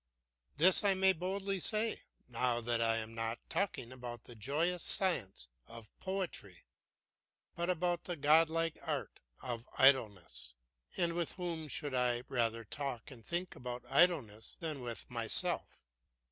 This I may boldly say, now that I am not talking about the joyous science of poetry, but about the godlike art of idleness. And with whom indeed should I rather talk and think about idleness than with myself.